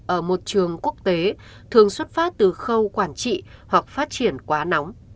ở một trường quốc tế thường xuất phát từ khâu quản trị hoặc phát triển quá nóng